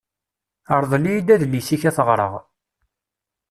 Rḍel-iyi-d adlis-ik ad t-ɣreɣ.